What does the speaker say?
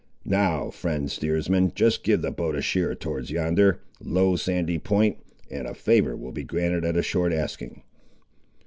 Now, friend steersman, just give the boat a sheer towards yonder, low, sandy point, and a favour will be granted at a short asking."